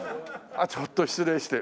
ちょっと失礼して。